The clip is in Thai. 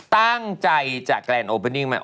ตั้งใจจะแกรนด์โอเปนิ่งมัน